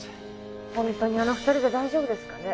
ホントにあの２人で大丈夫ですかね？